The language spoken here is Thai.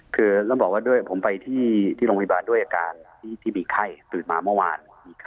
คือต้องบอกว่าด้วยผมไปที่โรงพยาบาลด้วยอาการที่มีไข้ตื่นมาเมื่อวาน